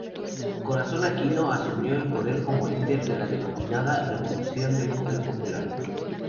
Corazón Aquino asumió el poder como líder de la denominada Revolución del Poder Popular.